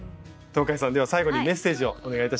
東海さんでは最後にメッセージをお願いいたします。